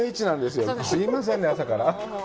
すみませんね、朝から。